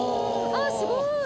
あっすごい！